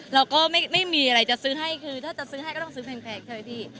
เราก็ไม่มีอะไรจะซื้อให้คือถ้าจะซื้อให้ก็ต้องซื้อแพงใช่ไหมพี่